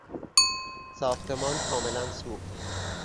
ساختمان کاملا سوخت.